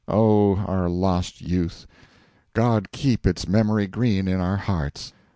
Oh, our lost Youth God keep its memory green in our hearts!